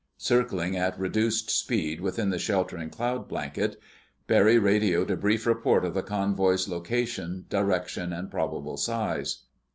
Circling at reduced speed within the sheltering cloud blanket, Barry radioed a brief report of the convoy's location, direction, and probable size.